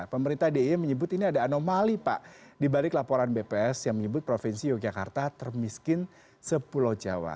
pemerintah dia menyebut ini ada anomali pak di balik laporan bps yang menyebut provinsi yogyakarta termiskin sepuluh jawa